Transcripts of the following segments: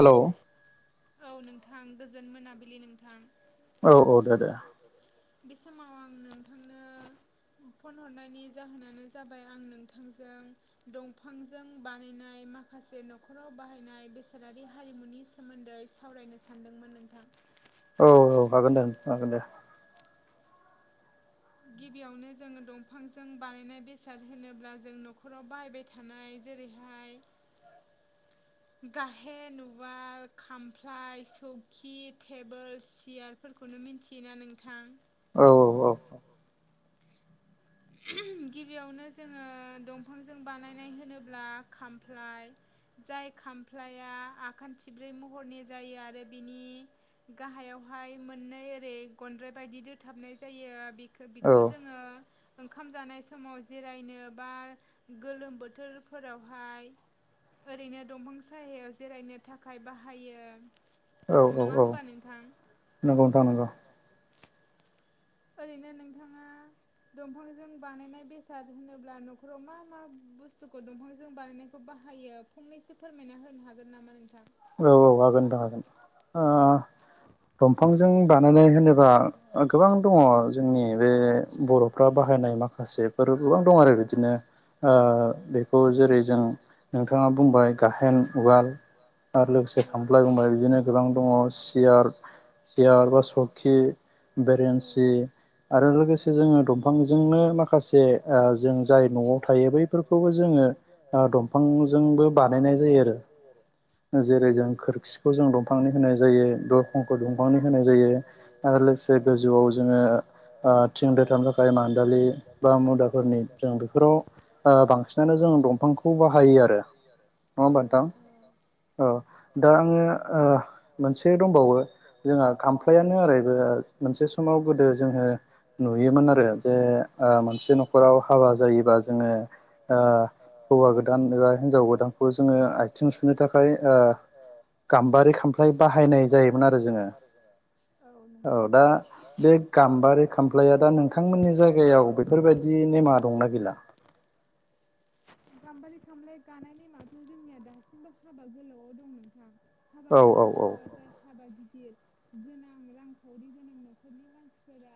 Hello औ नोंथां गोजोन मोनाबिलि नोंथां। औ औ दे दे। बे समाव आं नोंथांनो। फन हरनायनि जाहोनानो जाबाय आं नोंथांजों दंफांजों बानायनाय। माखासे न'खराव बाहायनाय बेसादारि हारिमुनि सोमोन्दै सावरायनो सानदोंमोन नोंथां। औ औ हागोन दे हागोन दे। गिबियावनो जोंङो दंफांजों बानायनाय बेसाद होनोब्ला जों न'खराव बाहायबाय थानाय। जेरैहाय गाहेन नवाल खामफ्लाय सौकि टेबोल सियारफोर फोरखौनो मिथियोना नोंथां। औ औ औ। [unintelligible] गिबियावनो जोंङो दंफांजों बानायनाय होनोब्ला खामफ्लाय। जाय खामफ्लाया आखानथिब्रै महरनि जायो आरो बिनि गाहायावहाय मोननै ओरै गनद्राय बायदि दोथाबनाय जायो। बिखौ जोंङो ओंखाम जानाय समाव जिरायनो बा गोलोम बोथोरफोरावहाय। ओरैनो दंफां सायायाव जिरायनो थाखाय बाहायो औ औ औ नंगौ नोंथां नंगौ। ओरैनो नोंथांङा दंफांजों बानायनाय बेसाद होनोब्ला न'खराव मा मा? बुस्थुखौ दंफांजों बानायनायखौ बाहायो फंनैसो फोरमायना होनो हागोन नामा नोंथां। दंफांजों बानायनाय होनोबा। गोबां दङ जोंनि बे बर'फ्रा बाहायनाय माखासेफोर गोबां दं आरो बिदिनो। ओ बेखौ जेरै जों नोंथाङा बुंबाय गाहेन उवाल लोगोसे खामफ्लाय गुमलाय बिदिनो गोबां दङ सियार। सियार बा सखि बेरेन्सि आरो लोगोसे जोङो दंफांजोंनो माखासे जों जाय न'वाव थायो बेफोरखौबो जोङो दंफांजोंबो बानायनाय जायो आरो। जेरै जों खोरखिखौ जों दंफांनि होनाय जायो दरखंखौ दंफांनि होनाय जायो आरो लोगोसे। गोजौआव जोङो थिं दोथाबनो थानो थाखाय मानदालि बा मुदाफोरनि जों बेफोराव। ओ बांसिनानो जों दंफांखौ बायो आरो नङा होमबा नोंथां। औ दा आङो ओ मोनसे दंबावो जोंहा खामफ्लायानो आरो। मोनसे समाव गोदो जोङो नुयोमोन आरो जे मोनसे न'खराव हाबा जायो। जोङो हौवा ओ गोदान एबा हिनजाव गोदानखौ जोङो आथिं सुनो थाखाय। ओ गाम्बारि खामफ्लाय बाहायनाय जायोमोन आरो जोङो औ दा बे। गाम्बारि खामफ्लाया दा नोंथांमोननि जायगायाव बेफोरबायदि नेमा दंना गैला? [inaudible] गामबारि खामलाय गानाय नेमाथ' जोंनिया दासिमबो हाबा गोलावआव दं नोंथां? हाबा गोलाव होनोब्ला जाय हाबा गिदिर गोनां रांखावरि गोनां न'खरनि मानसिफोरा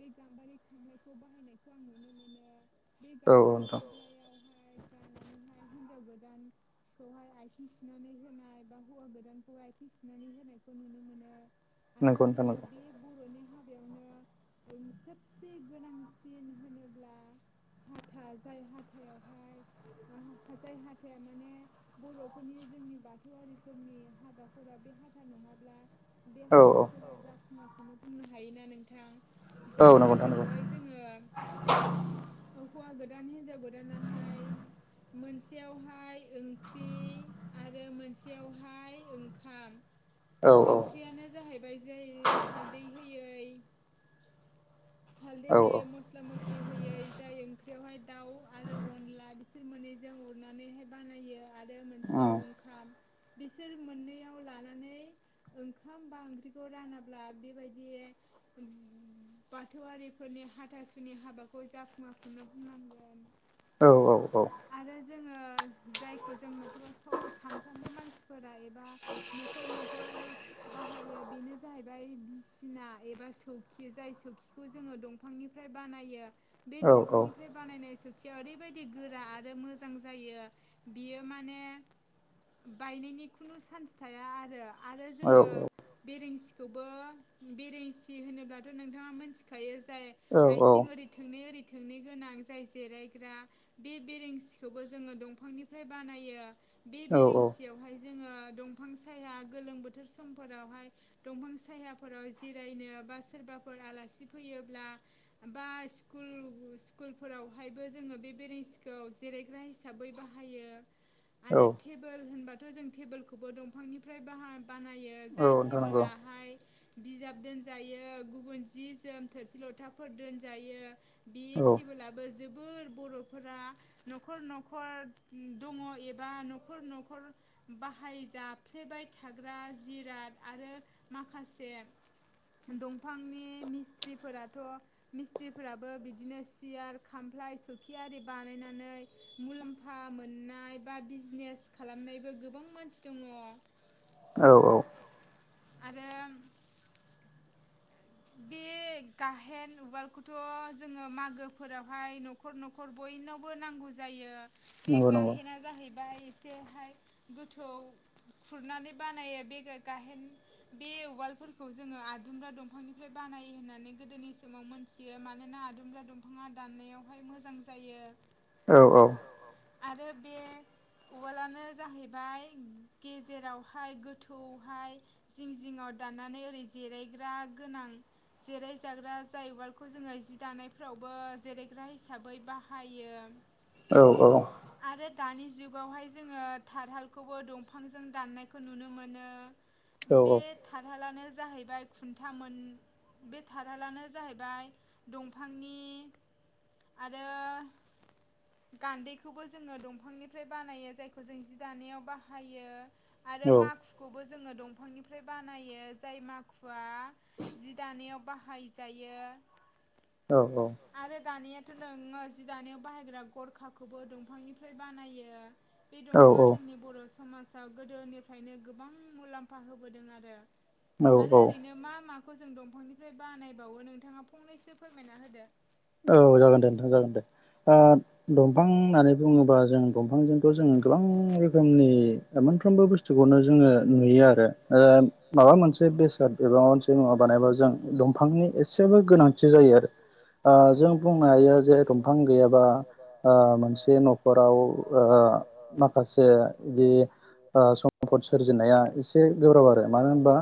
बे गाम्बारि खामलायखौ बाहायनाय। खौ आं नुनो मोनो। औ औ नोंथां। बेयावहाय गानानैहाय हिनजाव गोदान खौहाय आथिं सुनानै होनाय बा हौवा गोदानखौ आथिं सुनानै होनायखौ नुनो मोनो आरो। आरो जोङो बे बर'नि हाबायावनो सबसे गोनांसिन होनोब्ला हाथा जाय हाथाय यावहाय जाय हाथाया माने बर'फोरनि जोंनि बाथौआरिफोरनि हाबाफोराव बे हाथा नङाब्ला बे हाबाफोरा जाफुङा खौनो बुंनो हायोना नोंथां। जाय हाथाखौहाय जोङो हौवा गोद दान हिनजाव गोदानाहाय मोनसेयावहाय ओंख्रि आरो मोनसेयावहाय ओंखाम ओंख्रियानो जाहैबाय जाय हालदै होयै हालदै होयै मस्ला मस्लि होयै जाय ओंख्रियावहाय दाउ बिसोर मोननैजों उरनानैहाय बानायो आरो मोनसेयाव ओंखाम। बिसोर मोननैयाव लानानै ओंखाम बा ओंख्रिखौ रानाब्ला बेबायदि [inaudible] बाथौआरिफोरनि हाथासुनि हाबाखौ जाफुङाफुंनो बुंनांगोन। औ औ आरो जोङो जायखौ जों न'खराव सानफ्रामबो मानसिफोरा एबा न'खर न' नखर बाहायो बेनो जाहैबाय बिसिना एबा सौखि जाय सौखि खौ जोङो दंफांनिफ्राय बानायो बे दंफांनिफ्राय बानायनाय सौखि खिया ओरैबायदि गोरा आरो मोजां जायो बियो माने बायनायनि खुनु चान्स थाया आरो। आरो जोङो बिरेंसिखौबो बिरेंसि होनोब्लाथ' नोंथाङा मोन थिखायो जाय आथिं ओरै थोंनै ओरै थोंनै गोनां जाय जेरायग्रा बे बेरेंसिखौबो जोङो दंफांनिफ्राय बानायो। बे बेरेंसियावहाय जोङो दंफां सायहा गोलोम बोथोर समफोरावहाय दंफां सायहाफोराव जिरायनो बा सोरबाफोर आलासि फैयोब्ला बा स्कुल-स्कुलफोरावहायबो जोङो बे बेरेसिखौ जे रायग्रा हिसाबै बाहायो। आरो टेबोल होनबाथ' जों टेबोलखौबो दंफांनिफ्राय बाहा बानायो जाय टेबोलाहाय बिजाब दोनजायो गुबुन जि जोम थोरसि लथाफोर दोनजायो बि टेबोलाबो जोबोर बर'फोरा न'खर न'खर दङ' एबा न'खर न'खर बाहायजाफ्लेबाय थाग्रा जिराद आरो माखासे दंफांनि मिस थ्रिफोराथ' मिस्थ्रिफोराबो बिदिनो सियार खामफ्लाय सौखि आरि बानायनानै मुलाम्फा मोननाय बा बिजनेस खालामनायबो गोबां मानसि दङ'। औ औ। आरो बे गाहेन उवालखौथ' जोङो मागोफोरावहाय न'खर न'खर बय बयनावबो नांगौ जायो बे गाहेना जाहै बाय एसेहाय गोथौ खुरनानै बानायो बे गा-गाहेन बे बे उवालफोरखौ जोङो आदुमब्रा दंफांनि फ्राय बानायो होननानै गोदोनि समाव मोनथियो मानोना आदुमब्रा दंफाङा दाननायावहाय मोजां जायो। आरो बे उवालानो जाहैबाय गेजेरावहाय गोथौहाय जिं जिङाव दाननानै ओरै जिरायग्रा गोनां जिराय जाग्रा जाय उवालखौ जोङो जि दानायफ्रावबो जिरायग्रा हिसाबै बाहायो। औ औ। दानि जुगावहाय जोङो थारहालखौबो दंफांजों दाननायखौ नुनो मोनो। बे थारहालानो जाहैबाय खुनथा थाम मोन बे थारालानो जाहैबाय दंफांनि आरो गान्दैखौबो जोङो दंफांनिफ्राय बानायो जायखौ जों जि दानायाव बाहायो। आरो माखुखौबो जोङो दंफांनिफ्राय बानायो जाय माखुवा बाहाय जायो आरो दानिया नोङो जि दानायाव बाहायग्रा गरखाखौबो दंफांनिफ्राय बानायो। बे दंफाङा जोंनि बर' समाजाव गोदोनिफ्रायनो गोबां मुलाम्फा होबोदों आरो। आरो ओरैनो मा माखौ जों दंफांनिफ्राय बानायबावो नोंथाङा फंनैसो फोरमायना होदो? औ जागोन दे नोंथां जागोन दे। ओ दंफां होननानै बुङोबा जों दंफांजोंथ' जोङो गोबां रोखोमनि मोनबोफ्रोमबो बुस्थुखौनो जोङो नुयो आरो ओ माबा मोनसे मोनसे बेसाद एबा माबा मोनसे मुवा बानायबा जों दंफांनि एसेबाबो गोनांथि जायो आरो। ओ जों बुंनो हायो जे दंफां गैयाबा मोनसे न'खराव ओ। माखासे बिदि ओ सम्फद सोरजिनाया एसे गोब्राब आरो मानो होनबा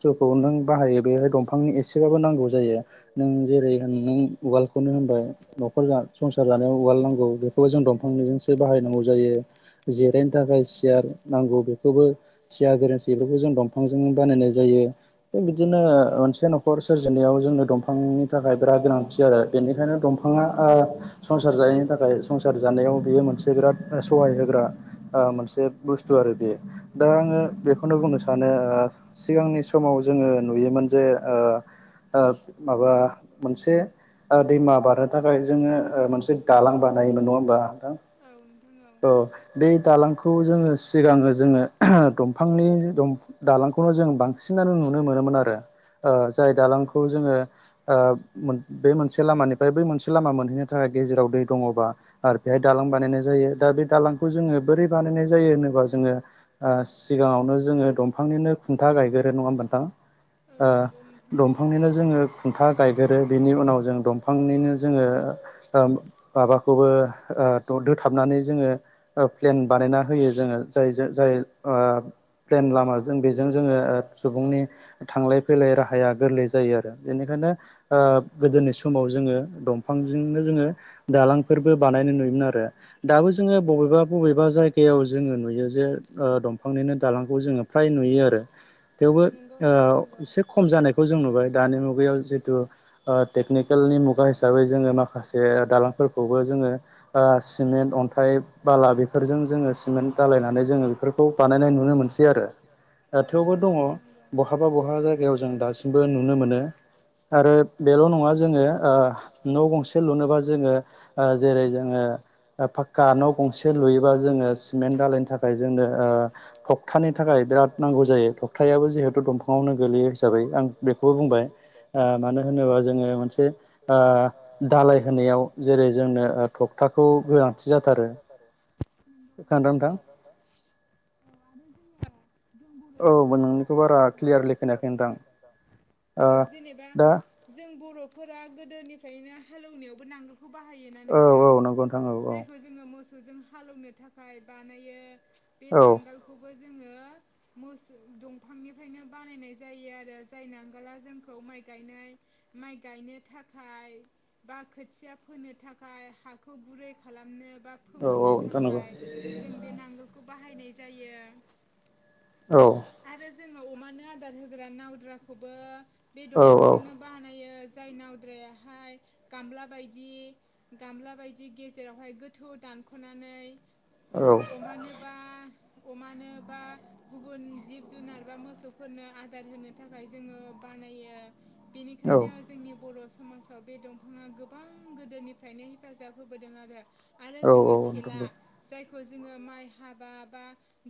थुखौ नों बाहायो बेहाय दंफांनि एसेबाबो नांगौ जायो नों जेरै नों उवालखौनो होनबाय न'खर संसार जानायाव उवाल नांगौ बेखौबो जों दंफांनिजोंसो बाहाय नांगौ जायो। जेरायनो थाखाय सियार नांगौ बेखौबो सियार बेरेंसि बेफोरखौजों दंजों बा जायो थिग बिदिनो मोनसे न'खर सोरजिनायाव जोङो दंफांनि थाखाय गोनांथि आरो बेनिखायनो दंफाङा ओ संसार जायैनि थाखाय संसार जानायाव बेयो मोनसे बिराद सहाय होग्रा ओ मोनसे बुस्थु आरो बे दा आङो बेखौनो बुंनो सानो ओ। सिगांनि समाव जोङो नुयोमोन जे ओ ओ माबा मोनसे ओ दैमा बारनो थाखाय जोङो मोनसे दालां बानायनायोमोन नङा होमबा? औ बे दालांखौ जोङो सिगाङो जोङो दंफांनि दालांखौ जों बांसिनानो नुनो मोनोमोन आरो जाय दालांखौ जोङो बे मोनसे लामानिफ्राय बै मोनसे लामा मोनहैनो थाखाय। गेजेराव दै दङबा आरो बेहाय दालां बानायनाय जायो। दा बे दालांखौ जोङो बोरै बानायनाय जायो होनोबा जोङो सिगाङावनो जोङो दंफांनिनो खुन्था गायगोरो नङा होमबा नोंथां। ओ दंफांनिनो जोङो खुन्था गायगोरो बिनि उनाव जों दंफांनिनो जोङो। माबाखौबो ओ द दोथाबनानै जोङो ओ फ्लेन बानायना होयो जोङो जाय जो जाय फ्लेन लामाजों बेजों। जोङो सुबुंनि थांलाय फैलाय राहाया गोरलै जायो आरो बेनिखायनो ओ दिनै समाव जोङो दंफांजोंनो जोङो दालांफोरबो बानायनाय नुयोमोन आरो। दाबो जोङो बबेबा बबेबा जायगायाव जोङो नुयो जे ओ दंफांनिनो दालांखौ जोङो। फ्राय नुयो आरो। थेवबो ओ एसे खम जानायखौ जों नुबाय दानि मुगायाव जिथु टेकनिकेल नि मुगा हिसाबै जोङो माखासे दालांफोरखौबो जोङो ओ सिमे न्ट अन्थाइ बाला बेफोरजों जोङो सिमेन्ट दाालायनानै जोङो बेफोरखौ बानायनाय नुनो मोनसै आरो। ओ थेवबो दङ बहाबा बहाबा जायगायाव जों दासिमबो नुनो मोनो। आरो बेल' नङा जोङो ओ न' गंसे लुनोबा जोङो ओ जेरै जोङो। फाखक्का न' गंसे लुयोबा जोङो सिमेन्ट दालाायनि थाखाय जोंनो ओ थखथानि थाखाय बिराद नांगौ। नांगौ जायो थागथायाबो जिहेतु दंफांआवनो गोलैयो हिसाबै आं बेखौबो बुंबाय मानो होनोबा जों। जोङो मोनसे ओ दालाय होनायाव जेरै जोंनो थखथाखौ गोनांथि जाथारो। [unintelligible] औ औ जेनेबा जों बर'फोर फोरा गोदोनिफ्रायनो हालौवनायावबो नांगोलखौ बाहायोना नोंथां जायखौ जोङो मो सौजों हालौवनो थाखाय बानायो बे नांगालखौबो मोसौ दंफांनिफ्रायनो बानायनाय जायो आरो जाय नांगोला जोंखौ माइ गायनाय माइ गायनो थाखाय बा खोथिया फोनो थाखाय हाखौ गुरै खालामनो बा फोमोननो थाखाय जों बे नांगोलखौ बाहायनाय जायो औ जोङो अमानो आदार होग्रा नावद्राखौबो बे दंफांजोंनो बानायो जाय नावद्रायावहाय गामब्ला बायदि गामला बायदि गेजेरावहाय गोथौ दा नख'नानै अमानो बा अमानोबा गुबुन जिब जुनार बा मोसौफोरनो आदार होनो थाखाय जोङो बानायो बेनिखायनो जोंनि बर' समाजाव बे दंफाङा गोबां गोदोनिफ्रायनो हेफाजाब होबोदों आरो आरो जोङो थेला जाय खौ जोङो माइ हाबा बा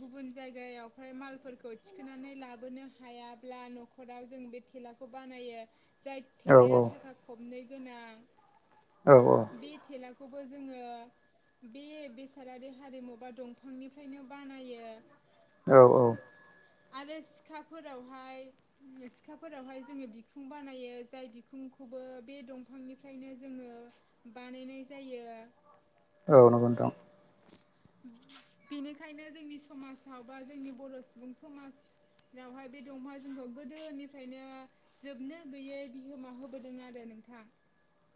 गुबुन जायगायाव ओमफ्राय मालफोरखौ थिखोनानै लाबोनो हायाब्ला न'खराव जों बे थेलाखौ बानायो जाय थेलाया साखा खबनै गोनां बे थेला बेखौबो जोङो बे बेसादारि हारिमु बा दंफांनिफ्रायनो बानायो औ औ आरो सिखाफोरावहाय सिखाफोरावहाय जोङो बिखुं बानायो जाय बिखुं खौबो बे दंफांनिफ्रायनो जोङो बानायनाय जायो। औ नंगौ नोंथां। बेनिखायनो जोंनि समाजाव बा जोंनि बर' सुबुं समाज नावहाय बे दंफाङा जोंखौ गोदोनिफ्रायनो जोबनो गैयै बिहोमा होबोदों आरो ना हमथा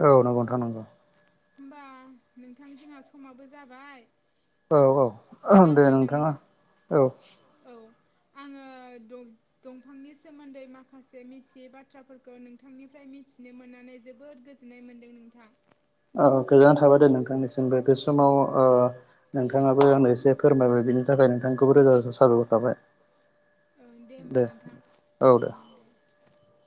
औ नंगौ नोंथां नंगौ। होमबा नोंथां जोंहा समाबो जाबाय औ-औ दे नोंथाङा औ। औ आङो दंफांनि सोमोन्दै माखासे मिथियै बाथ्राफोरखौ नोंथांनिफ्राय मिथि मिथिनो मोननानै जोबोद गोजोननाय मोन्दों नोंथां। औ गोजोननाय थाबाय दे नोंथांनिसिमबो बे समाव नोंथाङाबो आंनो एसे फोरमायबाय बिनि थाखाय नोंथांखौबो रोजा रोजा साबायखर थाबाय। ओ दे होमबा नोंथां [unintelligible]